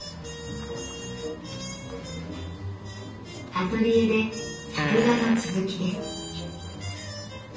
アトリエで作画の続きです。